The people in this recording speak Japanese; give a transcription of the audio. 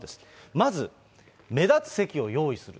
まず、目立つ席を用意する。